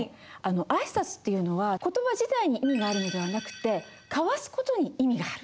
挨拶っていうのは言葉自体に意味があるのではなくて交わすことに意味がある。